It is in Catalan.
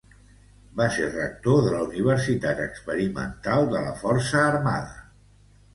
Va ser rector de la Universitat Experimental de la Força Armada.